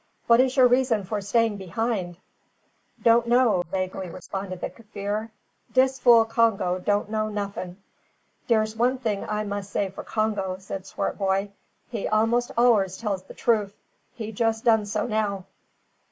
What is your reason for staying behind?" "Don't know," vaguely responded the Kaffir. "Dis fool Congo don't know nuffin'." "Der's one thing I mus say for Congo," said Swartboy, "he mos allers tell the troof. He jus done so now."